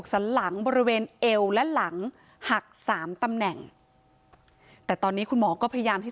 ตอนนี้เนี่ยตำรวจกำลังรวบปรวงพิยาน